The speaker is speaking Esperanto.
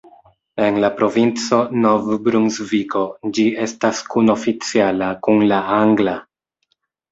En la provinco Nov-Brunsviko ĝi estas kun-oficiala kun la angla.